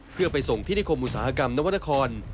เพื่อไปส่งที่นิคมอุตสาหกรรมนวรรณคร